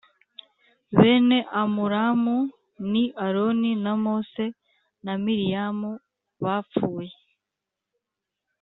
Bene Amuramu ni Aroni na Mose na Miriyamu bapfuye